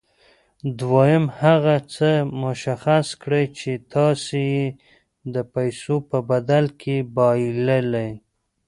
دويم هغه څه مشخص کړئ چې تاسې يې د پیسو په بدل کې بايلئ.